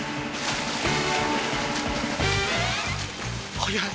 速い。